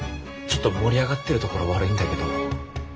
ちょっと盛り上がってるところ悪いんだけど。